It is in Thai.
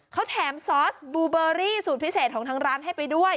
เขาแถมซอสบูเบอรี่สูตรพิเศษของทางร้านให้ไปด้วย